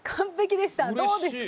どうですか？